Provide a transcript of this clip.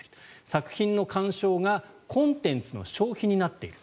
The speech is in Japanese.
作品の鑑賞がコンテンツの消費になっている。